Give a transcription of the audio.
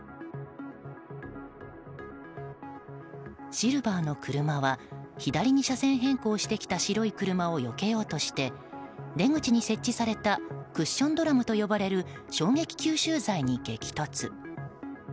シルバーの車は左に車線変更してきた白い車をよけようとして出口に設置されたクッションドラムと呼ばれる衝撃吸収材に激突。